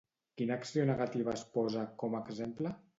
Quina acció negativa es posa com a exemple?